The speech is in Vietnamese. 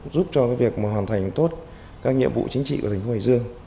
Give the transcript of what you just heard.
giúp cho cái việc mà hoàn thành tốt các nhiệm vụ chính trị của thành phố hải dương